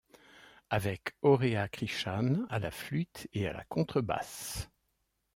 Avec Horea Crishan à la flûte et à la contrebasse.